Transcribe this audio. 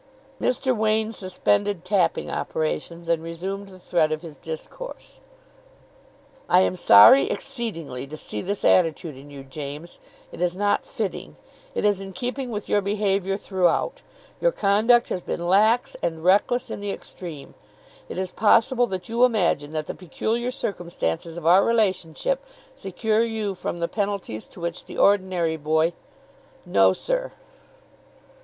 Mr. Wain suspended tapping operations, and resumed the thread of his discourse. "I am sorry, exceedingly, to see this attitude in you, James. It is not fitting. It is in keeping with your behaviour throughout. Your conduct has been lax and reckless in the extreme. It is possible that you imagine that the peculiar circumstances of our relationship secure you from the penalties to which the ordinary boy " "No, sir."